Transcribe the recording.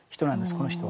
この人は。